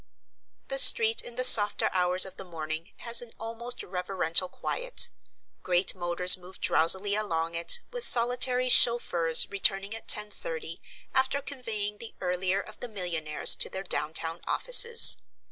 The street in the softer hours of the morning has an almost reverential quiet. Great motors move drowsily along it, with solitary chauffeurs returning at 10.30 after conveying the earlier of the millionaires to their downtown offices.